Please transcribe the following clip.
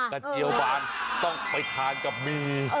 เจียวบานต้องไปทานกับหมี่